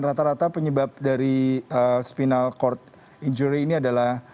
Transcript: rata rata penyebab dari spinal cord injury ini adalah